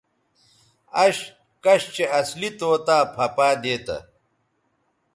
اش کش چہء اصلی طوطا پھہ پائ دیتہ